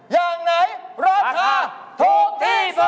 ใช่ถูก